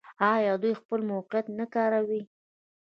آیا دوی خپل موقعیت نه کاروي؟